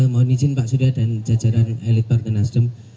mohon izin pak surya dan jajaran elit partai nasdem